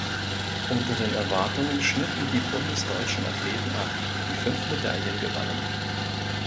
Unter den Erwartungen schnitten die bundesdeutschen Athleten ab, die fünf Medaillen gewannen.